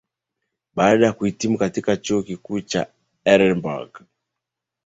baada ya kuhitimu katika Chuo Kikuu cha Edinburgh